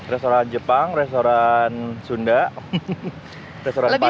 restoran jepang restoran sunda restoran padang